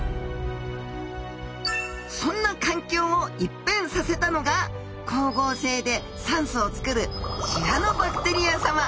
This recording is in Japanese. そんな環境を一変させたのが光合成で酸素をつくるシアノバクテリアさま